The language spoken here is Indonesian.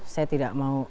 saya tidak mau